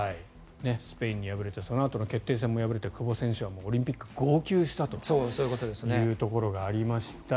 スペインに敗れてそのあとの決定戦も敗れて久保選手はオリンピック号泣したというところがありました。